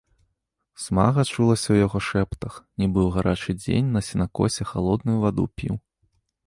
Смага чулася ў яго шэптах, нібы ў гарачы дзень на сенакосе халодную ваду піў.